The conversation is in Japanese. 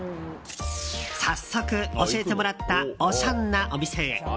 早速、教えてもらったおしゃんなお店へ。